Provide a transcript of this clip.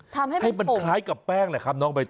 ทำให้มันคล้ายกับแป้งแหละครับน้องใบต